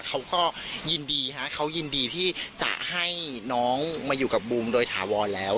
เขาก็ยินดีฮะเขายินดีที่จะให้น้องมาอยู่กับบูมโดยถาวรแล้ว